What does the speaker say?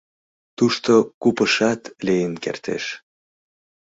Тушто купышат лийын кертеш.